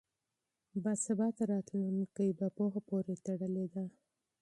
باثباته راتلونکی په پوهه پورې تړلی دی.